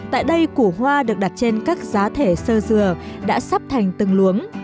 tại đây củ hoa được đặt trên các giá thể sơ dừa đã sắp thành từng luống